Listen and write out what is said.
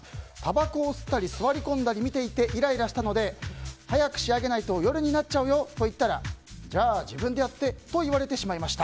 たばこを吸ったり座り込んだり見ていてイライラしたので早く仕上げないと夜になっちゃうよと言ったらじゃあ、自分でやってと言われてしまいました。